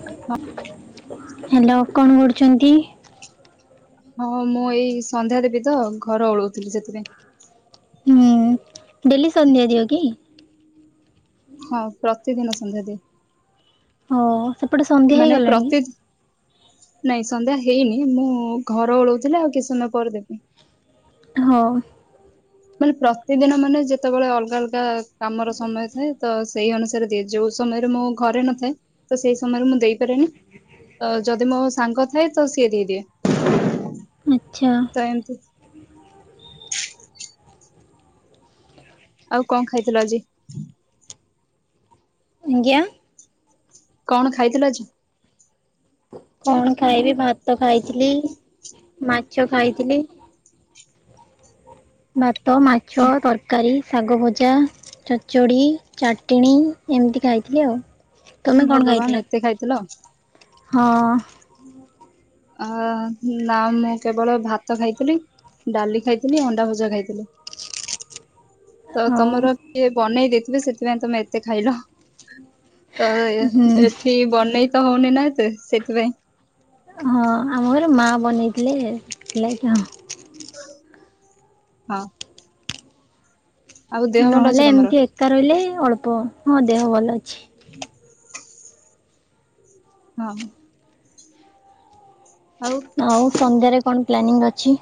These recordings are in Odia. [inaudible] ହାଲୋ କଣ କରୁଚନ୍ତି? ହଁ ମୁଁ ଏଇ ସନ୍ଧ୍ୟା ଦେବି ତ ଘର ଓଳଉଥିଲି ସେଥିପାଇଁ। ହୁଁ ଡେଲି ସନ୍ଧ୍ୟା ଦିଅ କି। ହଁ ପ୍ରତିଦିନ ସନ୍ଧ୍ୟା ଦିଏ। ହଁ। ମାନେ ପ୍ରତିତି - ନାଇଁ ସନ୍ଧ୍ୟା ହେଇନି ମୁଁ ଘର ଓଳଉଥିଲି ଆଉ କିଛି ସମୟ ପରେ ଦେବି। ହଁ। ମାନେ ପ୍ରତିଦିନ ମାନେ ଯେତେବେଳେ ଅଲଗା ଅଲଗା କାମର ସମୟ ଥାଏ। ତ ସେଇ ଅନୁସାରେ ଦି ଯୋଉ ସମୟରେ ମୁଁ ଘରେ ନଥାଏ ତ ସେଇ ସମୟରେ ମୁଁ ଦେଇପାରେନି। ତ ଯଦି ମୋ ସାଙ୍ଗ ଥାଏ ତ ସିଏ ଦେଇଦିଏ। ଆଚ୍ଛା। ଏମିତ୍ ଆଉ କ ଖାଇଥିଲ ଆଜି? ଆଜ୍ଞା? କଣ ଖାଇଥିଲ ଆଜି? କଣ ଖାଇବି ଭାତ ଖାଇଥିଲି ମାଛ ଖାଇଥିଲି। ଭାତ ମାଛ ତର ତରକାରୀ ଶାଗ ଭଜା ଚଚଡ଼ି ଚାଟଣୀ ଏମିତି ଖାଇଥିଲି ଆଉ। ତମେ କଣ ଖାଇଥିଲ? ଭଗବାନ ଏତେ ଖାଇଥିଲ। ହଁ। ଅ ନା ମୁଁ କେବଳ ଭାତ ଖାଇଥିଲି। ଡାଲି ଖାଇଥିଲି ଅଣ୍ଡା ଭଜା ଖାଇଥିଲି। ତ ହଉ ତମର କିଏ ବନେଇ ଦେଇଥିବେ ସେଥିପାଇଁ ତମେ ଏତେ ଖାଇଲ। ତ ହୁଁ ଏଠି ବନେଇ ତ ହଉନି ନା ଏତେ ସେଥିପାଇଁ। ହଁ ଆମ ଘର ମା ବନେଇଥିଲେ ଥିଲାଁକି ଆଉ। ହଁ। ଆଉ ଦେହ ଭଲ ଅଛି ନହେଲେ ତମର ଏମିତି ଏକା ରହିଲେ ହିଁ ଅଳ୍ପ ହଁ ଦେହ ଭଲ ଅଛି। ହଁ। ଆଉ ଆଉ ସନ୍ଧ୍ୟାରେ କଣ ପ୍ଲାନିଂ ଅଛି?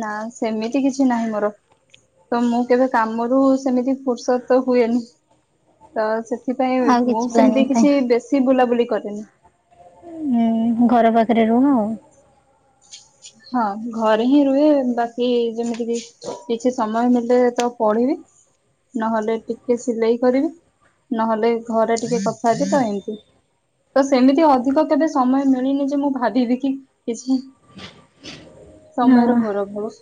ନା ସେମିତି କିଛି ନାହିଁ ମୋର। ତ ମୁଁ କେବେ କାମରୁ ସେମିତି ଫୁର୍ସ ତ ହୁଏନି। ତ ସେଥିପାଇଁ ଆଉ ମୁଁ କିଛି ପ୍ଲାନିଂ ସେମିତି ନାହିଁ। କିଛି ବେଶୀ ବୁଲାବୁଲି କରେନି। ଉ ଘର ପାଖରେ ରୁହ ଆଉ। ହଁ ଘରେ ହିଁ ରୁହେ ବାକି ଯେମିତି କି କିଛି ସମୟ ମିଳିଲେ ତ ପଢିବି। ନହେଲେ ଟିକେ ସିଲେଇ କରିବି ନହେଲେ ଘରେ ଟିକେ କଥା ହେବ ତ ଏମିତି। ତ ସେମିତି ଅଧିକ କେବେ ସମୟ ମିଳିନି ଯେ ମୁଁ ଭାବିବି କି କିଛି ସମୟର ଘୋର ହଁ ଅଭାବ।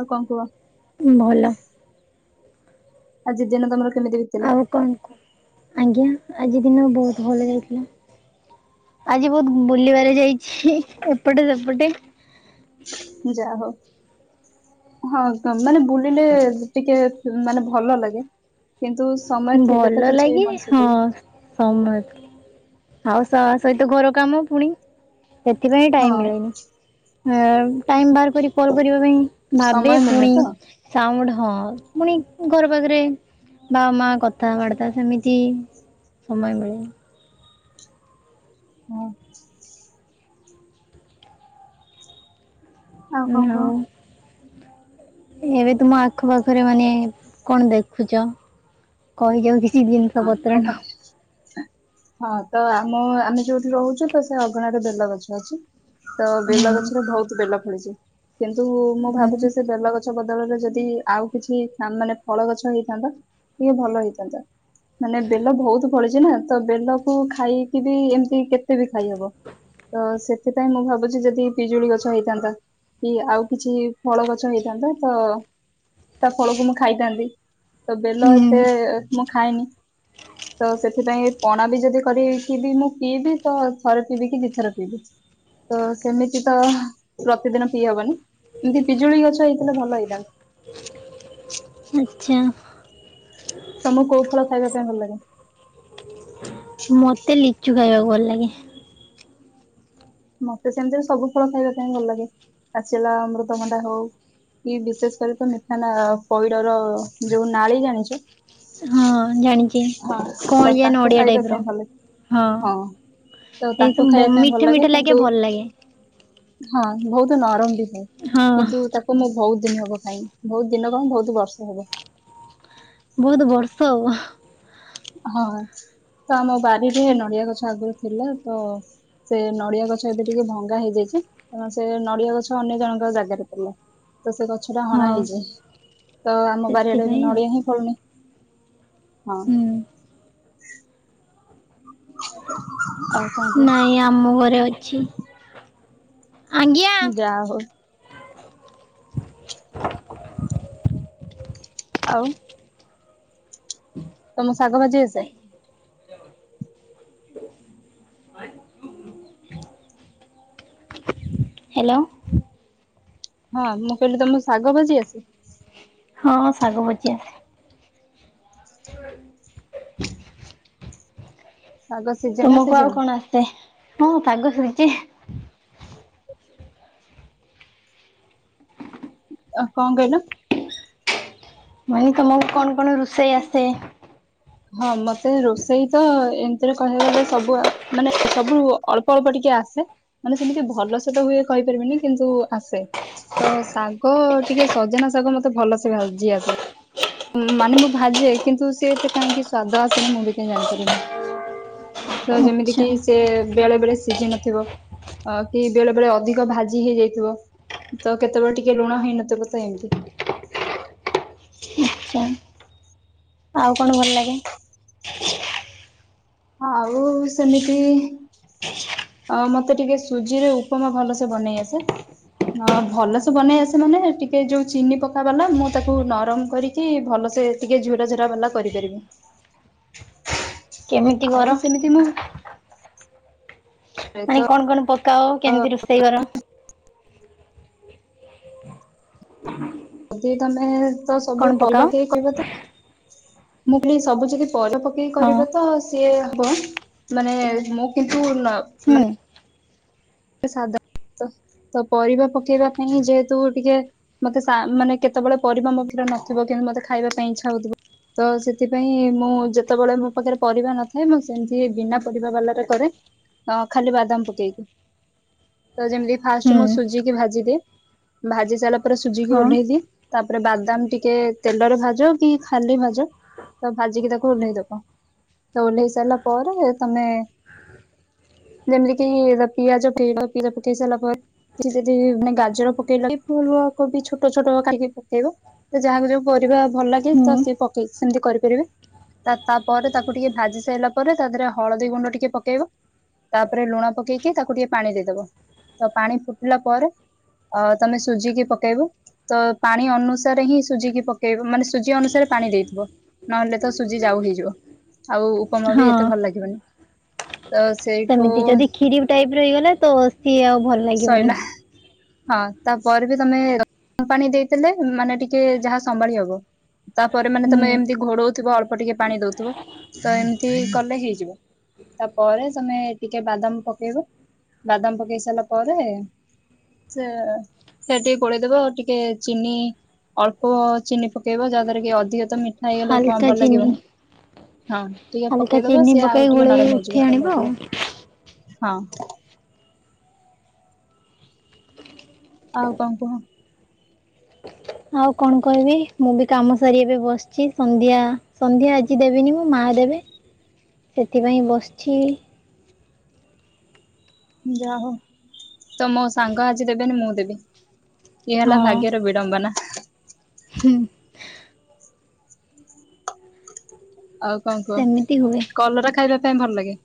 ଆଉ କ କୁହ? ଭଲ। ଆଜି ଦିନ ତମର କେମିତି ବିତିଲା? କ କୁ ଆଜ୍ଞା ଆଜି ଦିନ ବହୁତ ଭଲ କଟି ଆଜି ବହୁତ ବୁଲିବାରେ ଯାଇଛି ଏପଟେ ସେପଟେ ଯା ହଉ। ହଁ ମାନେ ବୁଲିଲେ ଟିକେ ମାନେ ଭଲ ଲାଗେ। କିନ୍ତୁ ସମୟ ଥିଲେ ଭଲ ତ କିଛି ଲାଗେ ମଣିଷ ହଁ ସମୟ ଆଉ ଶା ସହିତ ଘର କାମ ପୁଣି। ସେଥିପାଇଁ ଟାଇମ୍ ହଁ ମିଳୁନି ଅଁ ଟାଇମ୍ ବାହାରକରି କଲ୍ କରିବା ପାଇଁ ଭାବେ ସମୟ ମିଳୁନି ପୁଣି ତ ସାଉଣ୍ଡ ହଁ ପୁଣି ଘର ପାଖରେ ବା ମା କଥାବାର୍ତ୍ତା ସେମିତି ସମୟ ମିଳେ ହଁ। କଣ ଓହୋ କୁହ? ଆଉ? ଏବେ ତୁମ ଆଖ ପାାଖରେ ମାନେ କଣ ଦେଖୁଚ କହିଯାଉ କି କି ଦିନିଷ ଆଖ ପତ୍ର ନ ପାଖ ହଁ ତ ଆମ ଆମେ ଯୋଉଠି ରହୁଛୁ ତସେ ଅଗଣାରେ ବେଲଗଛ ଅଛି। ତ ବେଲ ହୁଁ ଗଛରେ ବହୁତ୍ ବେଲ ଫଳିଛି କିନ୍ତୁ ମୁଁ ହୁଁ ଭାବୁଚି ସେ ବେଲଗଛ ବଦଳରେ ଯଦି ଆଉ କିଛି ମାନେ ଫଳ ଗଛ ହେଇଥାନ୍ତା ଟିକେ ଭଲ ହେଇଥାନ୍ତା। ମାନେ ବେଲ ବହୁତ୍ ପଳିଚିନା ତବେଲକୁ ଖାଇକିବି ଏମିତି କେତେବି ଖାଇହବ। ତ ସେଥିପାଇଁ ମୁଁ ଭାବୁଚି ଯଦି ପିଜୁଳି ଗଛ ହେଇଥାନ୍ତା କି ଆଉ କିଛି ଫଳ ଗଛ ହେଇଥାନ୍ତା ତ ତାଫଳକୁ ମୁଁ ଖାଇଥାନ୍ତି। ତ ବେଲ ହୁଁ ଏତେ ମୁଁ ଖାଏନି ତ ସେଥିପାଇଁ ପଣାବି ଯଦି କରିବି ମୁଁ ପିଇବି ତଥରେ ପିବିକି ଦିଇ ଥର ପିଇବି। ତ ସେମିତିତ ପ୍ରତିଦିନ ପିଇ ହବନି ଏମିତି ପିଜୁଳି ଗଛ ହେଇଥିଲେ ଭଲ ହେଇଥାନ୍ତା। ଆଚ୍ଛା। ତମକୁ କୋଉ ଫଳ ଖାଇବା ପାଇଁ ଭଲ ଲାଗେ? ମତେ ଲିଚୁ ଖାଇବାକୁ ଭଲ ଲାଗେ। ମତେ ସେମିତିରେ ସବୁ ଫଳ ଖାଇବା ପାଇଁଁ ଭଲ ଲାଗେ ପାଚିଲା ଅମୃଦଭଣ୍ଡା ହଉ କି ବିଶେଷ କରି ତମିଠା ପଇଡ଼ର ଯୋଉ ନାଳ ଜାଣିଚ? ହଁ ଜାଣିଛି ହଁ ତ କଅଁଳିଆ ତାକୁ ନଡିଆ ଟାଇପ ଖାଇବା ର ପାଇଁ ଭଲ ହଁ। ତ ଏଇ ତାକୁ ସବୁ ଖାଇବା ପାଇଁ ମିଠା ଭଲ ଲାଗେ ମିଠା କି ଭଲ ଲାଗେ ହଁ ବହୁତ୍ ନରମବି ଥାଏ ହଁ କିନ୍ତୁ ତାକୁ ମୁଁ ବହୁତ୍ ଦିନି ହବ ଖାଇନି ବହୁତ୍ ଦିନ କଁ ବହୁତ୍ ବର୍ଷ ହବ। ବହୁତ ବର୍ଷ ଆଉ। ହଁ ତ ଆମ ବାରିରେ ନଡ଼ିଆ ଗଛ ଆଗରୁ ଥିଲା ତ ସେ ନଡ଼ିଆ ଗଛ ଏବେ ଟିକେ ଭଙ୍ଗା ହେଇଯାଇଚି କାରଣ ସେ ନଡ଼ିଆ ଗଛ ଅନ୍ୟ ଜଣଙ୍କ ଜାଗାରେ ଥିଲା। ତ ସେ ଗଛଟା ହଣା ହଁ ହେଇଚି ତଆମ ବାରିଆଡ଼େ ସେଥିପାଇଁ ଆଉ ନଡ଼ିଆ ହିଁ ଫଳୁନି ହଁ। ହୁଁ ଆଉ କଣ କୁଅ ଏ ଆମ ଘରେ ଅଛି। ଆଜ୍ଞା ଯା ହଉ ଆଉ? ତମ ଶାଗ ଭାଜି ଆସେ? ହାଲୋ। ହଁ ମୁଁ କହିଲି ତମକୁ ଶାଗ ଭାଜି ଆସେ? ହଁ ଶାଗ ଭାଜିଆସେ। [inaudible] ଶାଗ ସିଜେ ନା ତୁମକୁ ଆଉ ସିଜେନି କଣ ଆସେ ହଁ ଶାଗ ସେମିତି ଆ କଁ କହିଲ? ମାନେ ତମକୁ କଣ କଣ ରୋଷେଇ ଆସେ? ହଁ ମତେ ରୋଷେଇ ତ ଏମିତିରେ କହିବାକୁ ଗଲେ ସବୁ ମାନେ ସବୁ ଅଳ୍ପ ଅଳ୍ପ ଟିକେ ଆସେ। ମାନେ ସେମିତି ଭଲ ସେତ ହୁଏ କହିପାରିବିନି କିନ୍ତୁ ଆସେ। ତ ଶାଗ ଟିକେ ସଜନା ଶାଗ ମତେ ଭଲସେ ଭାଜି ଆସେ। ମାନେ ମୁଁ ଭାଜେ କିନ୍ତୁ ସେ ଏତେ କାହିଁକି ସ୍ଵାଦ ଆସେନି ମୁଁ ବି କାହିଁ ଜାଣି ପାରେନି। ତ ଯେମିତି ଆଚ୍ଛା। କିି ସେ ବେଳେ ବେଳେ ସିଝି ନଥିବ। ଅ କି ବେଳେ ବେଳେ ଅଧିକ ଭାଜି ହେଇଯାଇଥିବ। ତ କେତେବେଳେ ଟିକେ ଲୁଣ ହେଇନଥିବ ତ ଏମିତି। ଆଚ୍ଛା ଆଉ କଣ ଭଲ ଲାଗେ ଆଉ ସେମିତି ଅ ମତେ ଟିକେ ସୁଜି ରେ ଉପମା ଭଲସେ ବନେଇ ଆସେ। ହ ଭଲସେ ବନେଇ ଆସେ ମାନେ ଟିକେ ଯୋଉ ଚିନି ପକ ବାଲା ମୁଁ ତାକୁ ନରମ କରି ଟି ଭଲସେ ଟିକେ ଝୁୁରା ଝୁର ବାଲା କରିପାରିବେ। [unintelligible] କର? ଆଉ ସେମିତି ମୁ ମାନେ ତ କଣ କଣ ପକାଅ କେମିତି ରୋଷେଇ କର। ଯଦି ତମେ ତ କଣ ସବୁ ପକାଅ? କଲ କହିବ ତ ମୁଁ କହିଲି ସବୁ ଯଦି ପଲ ପକେଇକି ହଁ କରିବ ତ ସିଏ ହବ। ମାନେ ମୁଁ କିନ୍ତୁ ନ ହୁଁ ମାନେ ସାଧାରଣତଃ ତ ପରିବା ପକେଇବା ପାଇଁ ଯେହେତୁ ଟିକେ ମତେ ସା ମାନେ କେତେବେଳେ ପରିବା ମୋ ପାଖ ରେ ନଥିବ କିନ୍ତୁ ମୋତେ ଖାଇବା ପାଇଁ ଇଚ୍ଛା ହଉଥିବ। ତ ସେଥିପାଇଁ ମୁଁ ଯେତେବେଳେ ମୋ ପାଖରେ ପରିବା ନଥାଏ ମୁଁ ସେମିତି ବିନା ପରିବା ବାଲା ରେ କରେ। ହ ଖାଲି ବାଦାମ ପକେଇକି। ତ ଯେମିତି ଫାଷ୍ଟ ହୁଁ ମୁଁ ସୁଜିକି ଭାଜିଦିଏ ଭାଜି ସାରିଲା ପରେ ସୁଜିକି ହଁ ଓଲେହି ଦିଏ। ତାପରେ ବାଦାମ ଟିକେ ତେଲରେ ଭାଜ କି ଖାଲି ଭାଜ। ତ ଭାଜିକି ତାକୁ ଓହ୍ଲେଇ ଦବ ତ ଓହ୍ଲେଇ ସାରିଲା ପରେ ତମେ ଯେମିତି କି ଦେ ପିଆଜ ଭେଡ଼ ପିଜାଟି ପାକେଇ ସାଇଲା ପରେ ଟି ଯଦି ମାନେ ଗାଜର ପକେଇଲ ଫୁଲ କବି ଛୋଟ ଛୋଟ ଖାଢ଼ିକି ପକେଇବ। ତ ଯାହାକୁ ଯୋଉ ପରିବା ଭଲ ଲାଗେ ତ ହୁଁ ସିଏ ପକେଇକି ସେମିତି କରିପାରିବେ। ତା ତାପରେ ତାକୁ ଟିକେ ଭାଜି ସାରିଲା ପରେ ତା ଦେହରେ ହଳଦୀ ଗୁଣ୍ଡ ଟିକେ ପକେଇବ। ତାପରେ ଲୁଣ ପକେଇକି ତାକୁ ଟିକେ ପାଣି ଦେଇଦବ ତ ପାଣି ଫୁଟିଲା ପରେ। ଆଉ ତମେ ସୁଜିିକି ପକେଇବ। ତ ପାଣି ଅନୁସାରେ ହିଁ ସୁଜିିକି ପକେଇବ ମାନେ ସୁଜି ଅନୁସାରେ ପାଣି ଦେଇଥିବ। ନହେଲେ ତ ସୁଜି ଯାଉ ହେଇଯିବ ଆଉ ଉପମା ବି ଏତେ ହଁ। ଭଲ ଲାଗିବନି ତ ସେଇ ସେମିତି ଯଦି କ୍ଷୀରି ଟାଇପ ର ହେଇଗଲା ତ ସିଏ ଆଉ ଭଲ। ଲାଗିବନି। ସଇଲା ହଁ ତାପରେ ବି ତମେ ଗରମ ପାଣି ଦେଇ ଦେଲେ ମାନେ ଟିକେ ଯାହା ସମ୍ଭାଳି ହବ। ତାପରେ ମାନେ ହୁଁ ତମେ ଏମିତି ଘୋଡଉଥିବ ଅଳ୍ପ ଟିକେ ପାଣି ଦଉଥିବ ତ ଏମିତି କଲେ ହେଇଯିବ। ତା ପରେ ତମେ ଟିକେ ବାଦାମ ପକେଇବ ବାଦାମ ପକେଇ ସାରିଲା ପରେ। ସେ ସେ ଟିକେ ଗୋଲେଇଦବ ଆଉ ଟିକେ ଚିନି ଅଳ୍ପ ଚିନି ପକେଇବା ଯାହା ଦ୍ଵାରା କି ଅଧିକ ତ ମି ନେଇଗଲେ ଉପମା ଭଲ ଲାଗିବନି। ହଁ ଟିକେ ହଲୁକା ପକେଇଦବ ଚିନି ସିଏ ଆଉ ପକେଇ ଟିକେ ଗୋଳେଇ ନରମ ହେଇଯିବ ଉଠି ଆଣିବା ଆଉ। ହଁ ଆଉ କଣ କୁହ ଆଉ କଣ କହିବି ମୁଁ ବି କାମ ସାରି ଏବେ ବସିଛି ସନ୍ଧ୍ୟା ସନ୍ଧ୍ୟା ଆ କିଛି ଦେବିନି ମୋ ମାଆ ଦେବେ ସେଥିପାଇଁ ବସିଛି। ଯାହଉ ତ ମୋ ସାଙ୍ଗ ଆଜି ଦେବେନି ମୁଁ ଦେବି ଇଏ ହେଲା ହଁ ଭାଗ୍ୟର ବେଳ [unintelligible] ଆଉ କଣ କୁହ ସେମିତି ହୁଏ। କଲରା ଖାଇବା ପାଇଁ ଭଲ ଲାଗେ।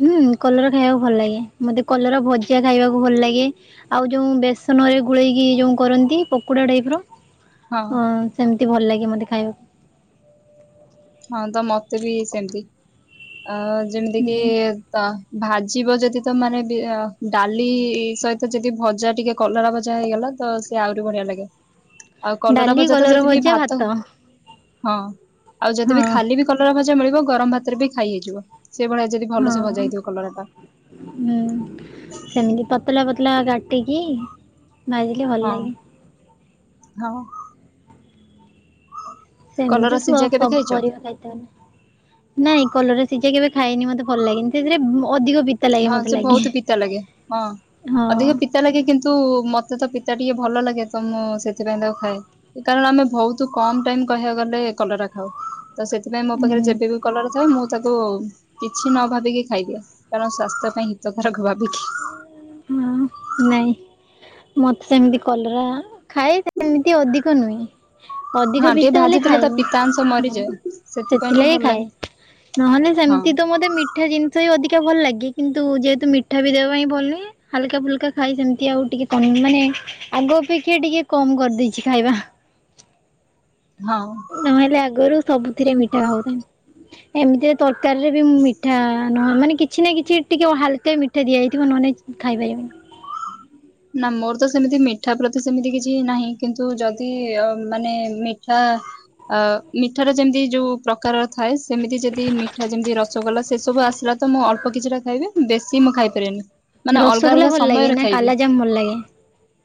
ହୁଁ କଲରା ଖାଇବାକୁ ଭଲ ଲାଗେ। ମତେ କଲରା ଭଜା ଖାଇବାକୁ ଭଲ ଲାଗେ। ଆଉ ଯେଉଁ ବେସନରେ ଗୋଳେଇକି ଯେଉଁ କରନ୍ତି ପକୋଡ଼ା ଟାଇପ୍ ର ହଁ, ସେମିତି ଭଲ ଲାଗେ ମତେ ଖାଇବାକୁ। ହଁ ତ ମତେ ବି ସେମିତି ଆ ଯେମିତି କିି ହୁଁ ତ ଭାଜିବ ଯଦି ତ ମାନେ ଡାଲି ସହିତ ଯଦି ଭଜା ଟିକେ କଲରା ଭଜା ହେଇଗଲା। ତ ସେ ଆହୁରି ବଢିଆ ଲାଗେ। ଆଉ ଡାଲି ଭଜା ତ କଲରା ଯଦି ବି ଭଜା, ଭାତ ହଁ ଆଉ ଯଦି ବି ହଁ ଖାଲି ବି କଲରା ଭଜା ମିଳିବ ଗରମ ଭାତରେ ବି ଖାଇ ହେଇଯିବ, ସେ ଭଳିଆ ଯଦି ଭଲସେ ହଁ ଭଜା ହେଇଥିବ କଲରା ଟା। ହୁଁ ସେମିତି ପତଲା ପତଲା କାଟିକି ଭାଜିଲେ ଭଲ ହଁ ଲାଗେ। ହଁ, [unintelligible] ସେମିତି କଲରା ସିଝା କେବେ ସବୁ ଖାଇଛ ପରିବା ଖାଇଥାନ୍ତୁ। ନାଇଁ କଲରା ସିଝା କେବେ ଖାଇନି ମତେ ଭଲ ଲାଗେନି, ସେଥିରେ ଅଧିକ ଲାଗେ ହଁ ମତେ ସେ ଲାଗେ। ବହୁତ ପିତା ଲାଗେ। ହଁ ହଁ ଅଧିକ ପି ପିତା ଲାଗେ। କିନ୍ତୁ ମତେ ତ ପିତା ଟିକେ ଭଲ ଲାଗେ ତ ମୁଁ ସେଥିପାଇଁ ତାକୁ ଖାଏ। ସେ କାରଣ ଆମେ ବହୁତ କମ ଟାଇମ କହିବାକୁ ଗଲେ କଲରା ଖାଉ। ତ ସେଥିପାଇଁ ମୋ ହୁଁ ପାଖରେ ଯେବେବି କଲରା ଥାଏ ମୁଁ ତାକୁ କିଛି ନ ଭାବିକି ଖାଇଦିଏ। କାରଣ ସ୍ୱାସ୍ଥ୍ୟ ପାଇଁ ହିତକାରକ ଭାବିକି ହୁଁ, ନାଇଁ ମତେ ସେମିତି କଲରା ଖାଏ ସେମିତି ଅଧିକ ନୁହେଁ। ଅଧିକ ହଁ ଟିକେ ପିତା ହେଲେ ଭାଜିଦେଲେ ତା ଖାଏନି ପିତାଂଶ ହ ମରିଯାଏ। ସେଥିପାଇଁ ଟିକେ ସେଥିଲାଗି ଭଲ ଖାଏ। ଲାଗେ ନହେଲେ ହଁ ସେମିତି ତ ମତେ ମି ମିଠା ଜିନିଷ ହି ଅଧିକା ଭଲ ଲାଗେ। କିନ୍ତୁ ଯେହେତୁ ମିଠା ବି ଦେବା ପାଇଁ ଭଲ ନୁହେଁ, ହାଲକା ଫୁଲକା ଖାଇ ସେମିତି ଆଉ ଟିକିଏ ମାନେ ଆଗ ଅପେକ୍ଷା ଟିକିଏ କମ କରିଦେଇଛି ଖାଇବା। ହଁ। ନହେଲେ ଆଗରୁ ସବୁଥିରେ ମିଠା ଖାଉଥାନ୍ତି। ଏମିତିରେ ତରକାରୀ ରେ ବି ମୁଁ ମିଠା ନହ ମାନେ କିଛି ନା କିଛି ଟିକିଏ ହାଲକା ମିଠା ଦିଆଯାଇଥିବ ନହେଲେ ନାଇଁ ଖାଇପାରିବିନି। ନା ମୋର ତ ସେମିତି ମିଠା ପ୍ରତି ସେମିତି କିଛି ନାହିଁ। କିନ୍ତୁ ଯଦି ମାନେ ମିଠା ଅ ମିଠା ର ଯେମିତି ଯୋଉ ପ୍ରକାର ଥାଏ। ସେମିତି ଯଦି ମିଠା ଯେମିତି ରସଗୋଲା ସେସବୁ ଆସିଲା ତ ମୁଁ ଅଳ୍ପ କିଛିଟା ଖାଇବି। ବେଶୀ ମୁଁ ଖାଇପାରିବିନି। ମାନେ ଅଲଗା ଅଲଗା ସମୟରେ ଖାଇବି। ନାଁ ଭଲ ଲାଗେ।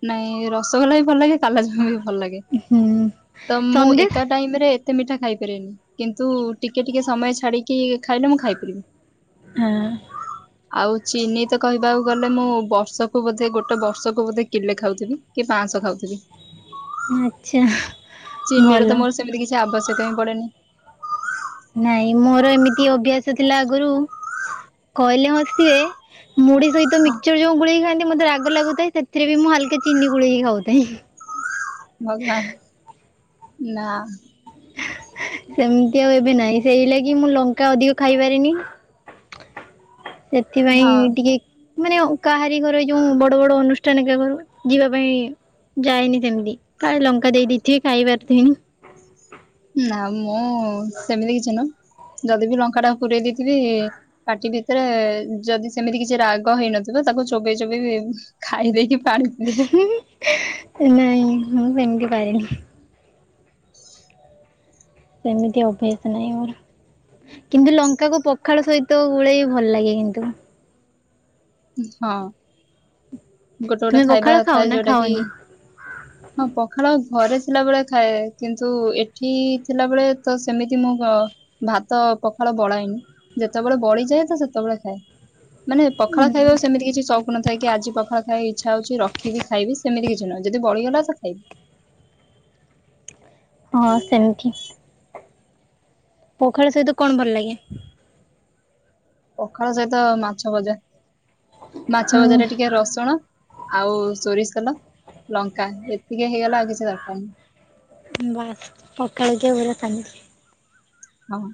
ନାଇଁ ରସଗୋଲା ବି ଭଲ ଲାଗେ। କାଲାଜାମୁ ବି ଭଲ ଲାଗେ ହୁଁ ତ ମୁଁ ସନ୍ଦେଶ ଏକାଠି [unintelligible] ଟାଇମରେ ଏତେ ମିଠା ଖାଇପାରେନି, କିନ୍ତୁ ଟିକିଏ ଟିକିଏ ସମୟ ଛାଡ଼ିକି କି ଖାଇଲେ ମୁଁ ଖାଇପାରିବି। ହଁ ଆଉ ଚିନି ତ କହିବାକୁ ଗଲେ ମୁଁ ବର୍ଷକୁ ବୋଧେ ଗୋଟ ଗୋଟାଏ ବର୍ଷକୁ ବୋଧେ କିଲେ ଖାଉଥିବି କି ପାଁଶ ଖାଉଥିବି। ଆଚ୍ଛା, ଚିନିର ତ ଭଲ। ମୋର ସେମିତି କିଛି ଆବଶ୍ୟକ ହିଁ ପଡେନି। ନାଇଁ ମୋର ଏମିତି ଅଭ୍ୟାସ ଥିଲା ଆଗରୁ। କହିଲେ ହସିବେ ମୁଡି ସହିତ ହଁ ମିକ୍ସଚର ଯୋଉ ଗୋଳେଇକି ଖଆନ୍ତି ମତେ ରାଗ ଲାଗୁଥାଏ ସେଥିରେ ବି ମୁଁ ହାଲକାସ ଚିନି ଗୋଳେଇକି ଖାଉଥାଏ। ଭଗବାନ! ନାଁ। ସେମିତି ଆଉ ଏବେ ନାହିଁ ସେଇ ଲାଗି ମୁଁ ଲଙ୍କା ଅଧିକ ଖାଇପାରେନି। ସେଥିପାଇଁ ହଁ ଟିକେ ମାନେ କାହାରି ଘର ଏ ଯୋଉଁ ବଡ ବଡ ଅନୁଷ୍ଠାନ କା ଘର ଯିବା ପାଇଁ ଯାଇନି ସେମିତି କାଳେ ଲଙ୍କା ଦେଇଥିବେ ଖାଇ ପାରୁଥିବିନି। ନା ମୁଁ ସେମିତି କିଛି ନୁହଁ ଯଦି ବି ଲଙ୍କା ଟାକୁ ପୁରେଇ ଦେଇଥିବି ପାଟି ଭିତରେ ଯଦି ସେମିତି କିଛି ରାଗ ହେଇନଥିବ ତାକୁ ଚୋବେଇ ଚୋବେଇ ଖାଇ ଦେଇକି ପାଣିପିଏ। ନାଇଁ ମୁଁ ସେମିତି ପାରେନି। ସେମିତି ଅଭ୍ୟାସ ନାହିଁ ମୋର। କିନ୍ତୁ ଲଙ୍କା କୁ ପଖାଳ ସହିତ ଗୋଳେଇ ଭଲ ଲାଗେ କିନ୍ତୁ। ହଁ ଗୋଟେ ଗୋଟେ ତୁମେ ପଖାଳ ଖାଇବା ଖାଅ ଥାଏ ନା ଯୋଉଟା କି [unintelligible] ହଁ ପଖାଳ ଘରେ ଥିଲାବେଳେ ଖାଏ। କିନ୍ତୁ ଏଠି ଥିଲାବେଳେ ତ ସେମିତି ମୁଁ ଭାତ ପଖାଳ ବଳାଏନି ଯେତେବେଳେ ବଳିଯାଏ ତ ସେତେବେଳେ ଖାଏ। ପଖଳ ଖାଇବାକୁ ସେମିତି କିଛି ସଉକ୍ ନଥାଏ କି ଆଜି ପଖାଳ ଖାଇବା ଇଚ୍ଛା ହଉଛି ରଖିବି ଖାଇବି ସେମତି କିଛି ନୁହଁ ଯଦି ବଳିଗଲା ସେ ଖାଇବି। ହଁ ସେମିତି। ପୋଖାଳ ସହିତ କଣ ଭଲ ଲାଗେ? ପଖାଳ ସହିତ ମାଛ ଭଜା। ମାଛ ଭଜାରେ ହୁଁ ଟିକେ ରସୁଣ ଆଉ ସୋରିଷ ତେଲ ଲଙ୍କା ଏତିକି ହେଇଗଲେ ଆଉ କିଛି ଦରକାର ନାହିଁ। ବାସ୍ ପଖାଳ ପୁରା [unintelligible] ସାମ ହଁ।